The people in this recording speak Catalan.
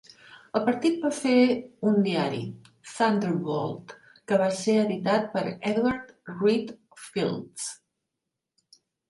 El partit va fer un diari, "Thunderbolt", que va ser editat per Edward Reed Fields.